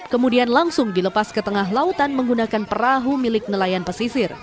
kemudian langsung dilepas ke tengah lautan menggunakan perahu milik nelayan pesisir